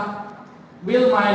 sebelumnya saksi gr